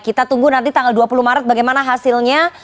kita tunggu nanti tanggal dua puluh maret bagaimana hasilnya